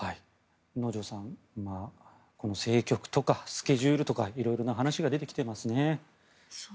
能條さん政局とかスケジュールとか色々な話が出てきてますね。